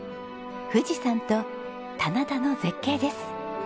富士山と棚田の絶景です。